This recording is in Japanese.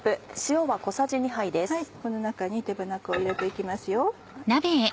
この中に手羽中を入れて行きますよ。